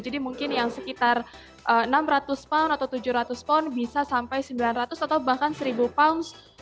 jadi mungkin yang sekitar enam ratus pound atau tujuh ratus pound bisa sampai sembilan ratus atau bahkan seribu pound